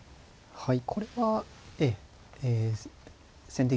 はい。